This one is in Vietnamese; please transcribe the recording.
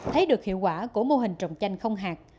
thấy được hiệu quả của mô hình trồng chanh không hạt